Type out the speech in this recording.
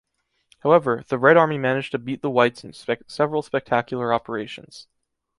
However, the Red Army managed to beat the Whites in several spectacular operations.